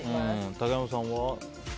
竹山さんは？